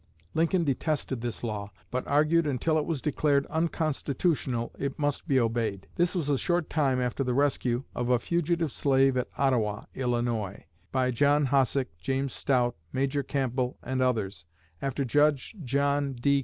Lincoln detested this law, but argued that until it was declared unconstitutional it must be obeyed. This was a short time after the rescue of a fugitive slave at Ottawa, Illinois, by John Hossack, James Stout, Major Campbell, and others, after Judge John D.